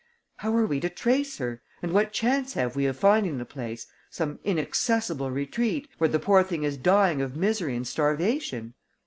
How are we to trace her? And what chance have we of finding the place some inaccessible retreat where the poor thing is dying of misery and starvation?"